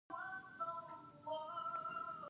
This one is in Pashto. فلم د همدردۍ حس پیدا کوي